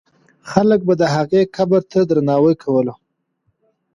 خلک به د هغې قبر ته درناوی کوله.